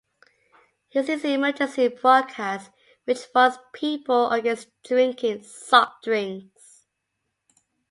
He sees an emergency broadcast, which warns people against drinking soft drinks.